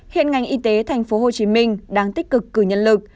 hiện ngành y tế tp hcm đang tích cực cử nhân lực